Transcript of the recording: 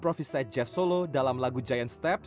bukan hanya melihat keinginan saya